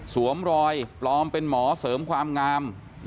สวมรอยปลอมเป็นหมอเสริมความงาม